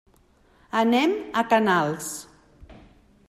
Anem a Canals.